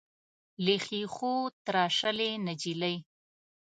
له ښیښو تراشلې نجلۍ.